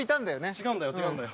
違うんだよ違うんだよ。